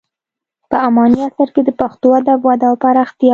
په اماني عصر کې د پښتو ادب وده او پراختیا.